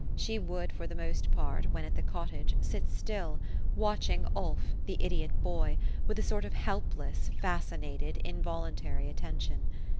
She would, for the most part, when at the cottage, sit still, watching Ulf, the idiot boy, with a sort of helpless, fascinated, involun tary attention.